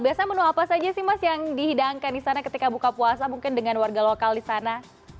biasanya menu apa saja sih mas yang dihidangkan di sana ketika buka puasa mungkin dengan warga lokal di sana